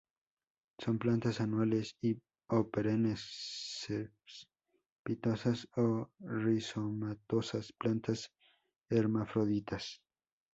Son plantas anuales o perennes, cespitosas o rizomatosas; plantas hermafroditas.